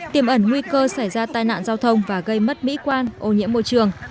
tiềm ẩn nguy cơ xảy ra tai nạn giao thông và gây mất mỹ quan ô nhiễm môi trường